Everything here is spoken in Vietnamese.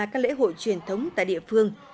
các lễ hội truyền thống tại địa phương